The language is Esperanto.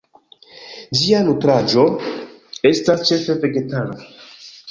Ĝia nutraĵo estas ĉefe vegetara.